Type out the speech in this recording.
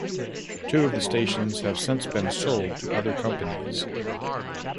Two of the stations have since been sold to other companies.